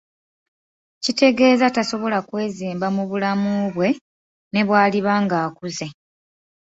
Kitegeeza tasobola kwezimba mu bulamu bwe nebwaliba ng'akuze.